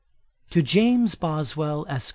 'TO JAMES BOSWELL, ESQ.